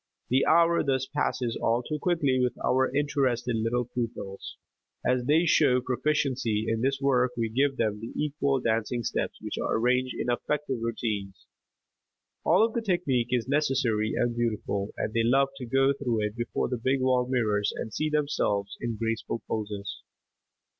The hour thus passes all too quickly with our interested little pupils. As they show proficiency in this work we give them the actual dancing steps which are arranged in effective routines. All of the technique is necessary and beautiful and they love to go through it before the big wall mirrors and see themselves in graceful poses.